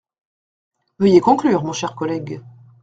Veuillez conclure, mon cher collègue.